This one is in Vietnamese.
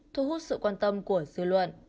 thu hút sự quan tâm của dư luận